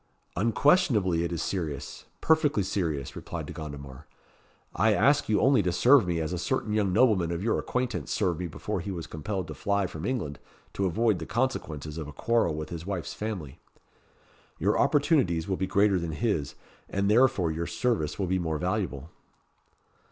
"Unquestionably it is serious perfectly serious," replied De Gondomar. "I ask you only to serve me as a certain young nobleman of your acquaintance served me before he was compelled to fly from England to avoid the consequences of a quarrel with his wife's family. Your opportunities will be greater than his, and therefore your service will be more valuable."